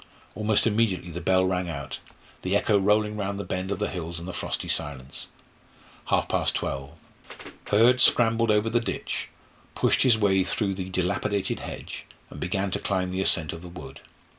Almost immediately the bell rang out, the echo rolling round the bend of the hills in the frosty silence. Half past twelve Hurd scrambled over the ditch, pushed his way through the dilapidated hedge, and began to climb the ascent of the wood.